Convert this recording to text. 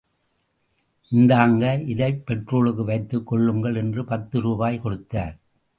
இந்தாங்க இதைப் பெட்ரோலுக்கு வைத்துக் கொள்ளுங்கள் என்று பத்து ரூபாய் கொடுத்தார்.